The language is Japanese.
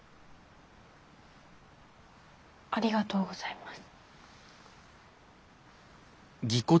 ありがとうございます。